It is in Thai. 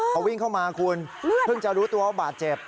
พอวิ่งเข้ามาคุณเพิ่งจะรู้ตัวว่าบาดเจ็บ